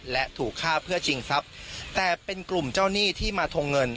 และถูกฆ่าเพื่อชิงทรัพย์แต่เป็นกลุ่มเจ้าหนี้ที่มาทงเงิน